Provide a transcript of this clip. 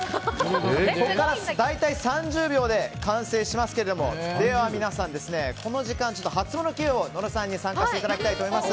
ここから大体３０秒で完成しますけれどもでは皆さん、この時間ハツモノＱを野呂さんに参加していただきたいと思います。